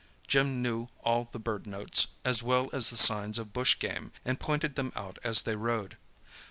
Jim knew all the bird notes, as well as the signs of bush game, and pointed them out as they rode.